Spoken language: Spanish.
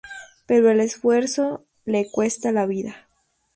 Pero el esfuerzo, le cuesta la vida.